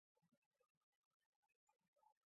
奥克施泰提亚东部地区多湖泊。